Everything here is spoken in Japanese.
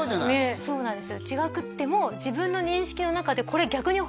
そうなんですよ